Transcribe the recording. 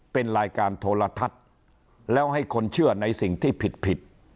เป็นรายการโทรทัศน์แล้วให้คนเชื่อในสิ่งที่ผิด